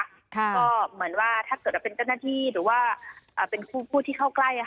ก็เหมือนว่าถ้าเกิดว่าเป็นเจ้าหน้าที่หรือว่าเป็นผู้ที่เข้าใกล้